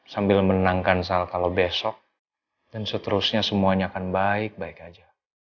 sambil menangkan sal kalau besok dan seterusnya semuanya akan baik baik aja